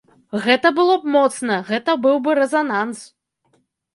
Гэта было б моцна, гэта быў бы рэзананс!